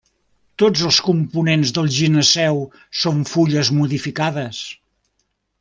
Tots els components del gineceu són fulles modificades.